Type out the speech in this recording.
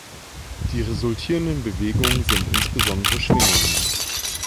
Die resultierenden Bewegungen sind insbesondere Schwingungen.